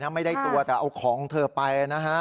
ไม่ได้ตัวแต่เอาของเธอไปนะฮะ